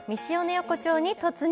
横丁に突入！